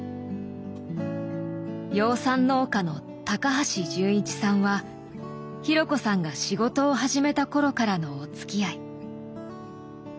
養蚕農家の高橋純一さんは紘子さんが仕事を始めた頃からのおつきあい。